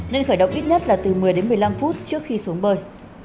nên khởi động ít nhất là từ một mươi đến một mươi năm phút trước khi xuống bờ